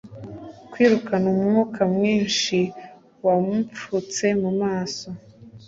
Kwirukana umwuka mwinshi wamupfutse mu maso